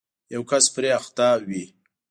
یو کس پرې اخته وي